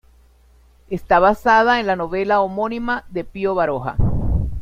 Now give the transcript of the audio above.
Está basada en la novela homónima de Pío Baroja.